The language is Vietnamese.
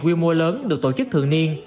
willmore lớn được tổ chức thường niên